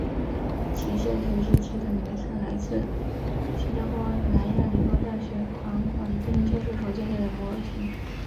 极限学习机的名称来自新加坡南洋理工大学黄广斌教授所建立的模型。